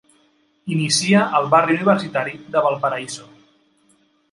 Inicia al barri universitari de Valparaíso.